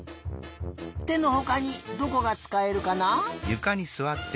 てのほかにどこがつかえるかな？